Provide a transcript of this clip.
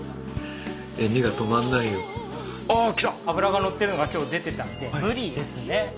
脂がのってるのが今日出てたんでブリですね。